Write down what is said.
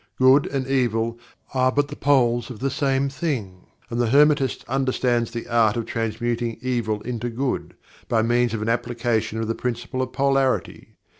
"Good and Evil" are but the poles of the same thing, and the Hermetist understands the art of transmuting Evil into Good, by means of an application of the Principle of Polarity.